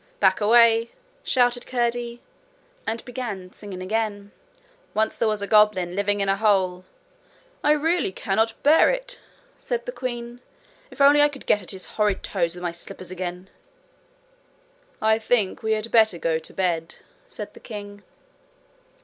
'Break away,' shouted Curdie, and began singing again: 'Once there was a goblin, Living in a hole ' 'I really cannot bear it,' said the queen. 'If I could only get at his horrid toes with my slippers again!' 'I think we had better go to bed,' said the king.